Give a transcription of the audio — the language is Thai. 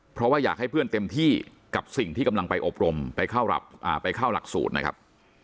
เพราะว่าอยากให้เพื่อนเต็มที่กับสิ่งที่กำลังไปอบรมไปเข้าหลักสูตรนะครับ